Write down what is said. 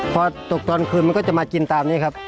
พอตกตอนคืนมันก็จะมากินตามนี้ครับ